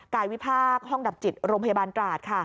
วิพากษ์ห้องดับจิตโรงพยาบาลตราดค่ะ